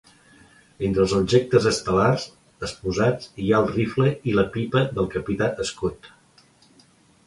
Entre els objectes estel·lars exposats hi ha el rifle i la pipa del capità Scott.